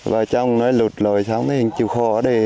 vợ chồng nói lụt rồi xong thì chịu khó ở đây